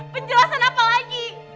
penjelasan apa lagi